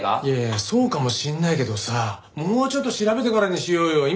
いやいやそうかもしれないけどさもうちょっと調べてからにしようよ。